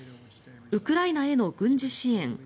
ウクライナへの軍事支援